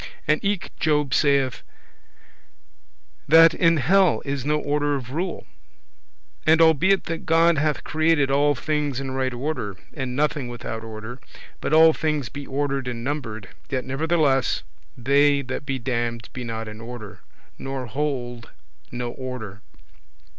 And eke Job saith, that in hell is no order of rule. And albeit that God hath created all things in right order, and nothing without order, but all things be ordered and numbered, yet nevertheless they that be damned be not in order, nor hold no order.